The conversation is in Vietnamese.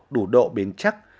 đủ độ biến chắc